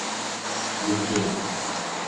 Евгений